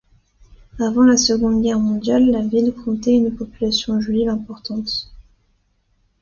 Avant la Seconde Guerre mondiale, la ville comptait une population juive importante.